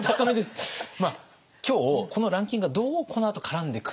まあ今日このランキングがどうこのあと絡んでくるのか。